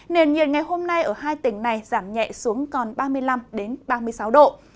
nền nhiệt ngày hôm nay ở hai tỉnh này giảm nhẹ xuống còn ba mươi năm ba mươi sáu độ